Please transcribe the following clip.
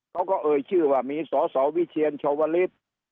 เขาก็เอ่ยชื่อว่ามีสสวิเชียรชวลิฟต์